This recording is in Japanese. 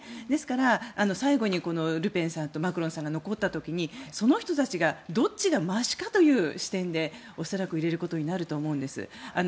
ですから、最後にルペンさんとマクロンさんが残った時にその人たちがどっちがましかという視点で恐らく入れることになると思うんです。